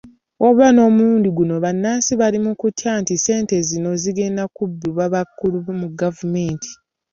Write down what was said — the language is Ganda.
Wabula n'omulundi guno bannansi bali mukutya nti ssente zino zigenda kubbibwa abakulu mu gavumenti.